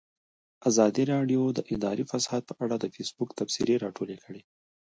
ازادي راډیو د اداري فساد په اړه د فیسبوک تبصرې راټولې کړي.